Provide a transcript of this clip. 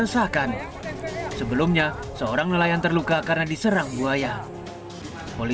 sebelumnya babi hutan tersebut menyerang ahmad